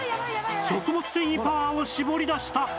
食物繊維パワーを絞り出した！